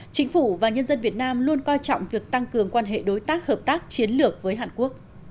chính phủ và nhân dân việt nam luôn coi trọng việc tăng cường quan hệ đối tác hợp tác chiến lược với hàn quốc